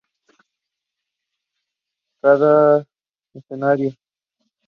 Newport scored their second through Aaron Lewis in the tenth minute of added time.